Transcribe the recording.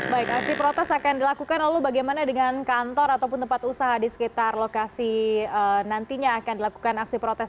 baik aksi protes akan dilakukan lalu bagaimana dengan kantor ataupun tempat usaha di sekitar lokasi nantinya akan dilakukan aksi protes